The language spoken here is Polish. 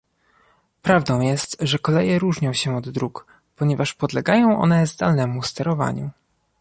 Prawdą jest, że koleje różnią się od dróg, ponieważ podlegają one zdalnemu sterowaniu